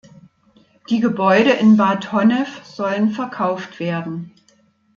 Die Gebäude in Bad Honnef sollen verkauft werden.